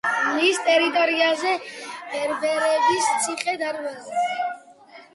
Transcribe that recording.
მის ტერიტორიაზეა ბერბერების ციხე-დარბაზი.